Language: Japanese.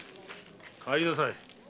帰りなさい。